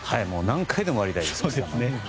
何回でも割りたいです。